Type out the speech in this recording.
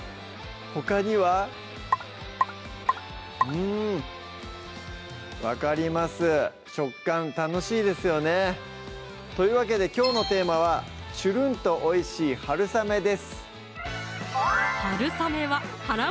ほかにはうん分かります食感楽しいですよねというわけできょうのテーマは「ちゅるんと美味しい春雨」です